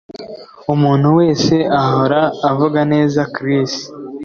Umuntu wese ahora avuga neza Chris